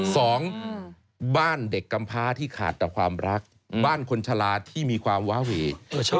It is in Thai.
สองบ้านเด็กกำพ้าที่ขาดแต่ความรักบ้านคนชะลาที่มีความว้าหวี